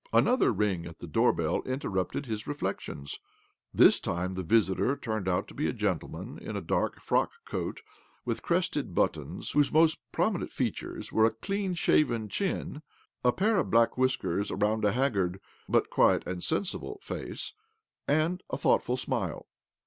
... Another ring at the doorbell interrupted his reflections. This time the visitor turned out to be a gentleman in a dark frock coat with crested buttons whose most prominent features were a clean shaven chin, a pair of black whiskers around a hag'gard (but quiet and sensible) face, and a thoughtful smile.